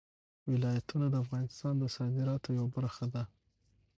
ولایتونه د افغانستان د صادراتو یوه برخه ده.